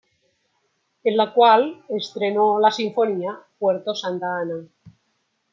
En la cual estreno la sinfonía Puerto Santa Ana.